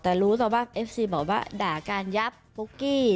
แต่รู้แต่ว่าเอฟซีบอกว่าด่าการยับปุ๊กกี้